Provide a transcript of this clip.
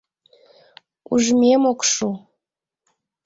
Ужмем ок шу!..